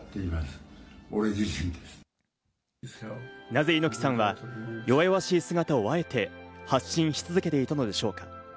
なぜ猪木さんは弱々しい姿をあえて発信し続けていたのでしょうか。